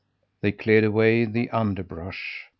They cleared away the underbrush.